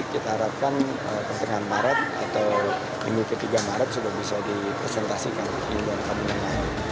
kita harapkan pertengahan maret atau minggu ke tiga maret sudah bisa dipresentasikan